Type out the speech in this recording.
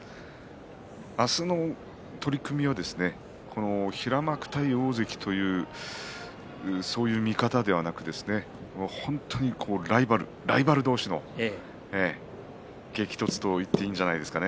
明日の取組は平幕対大関というそういう見方ではなく本当にライバル同士の激突と言っていいんじゃないでしょうかね。